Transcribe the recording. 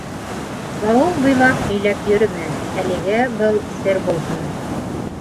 Ауыл буйлап һөйләп йөрөмә, Әлегә был сер булһын.